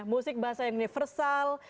musik bahasa yang universal